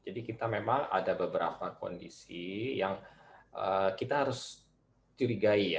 kita memang ada beberapa kondisi yang kita harus curigai ya